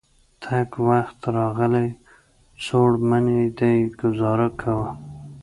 تنګ وخت راغلی. څوړ منی دی ګذاره کوه.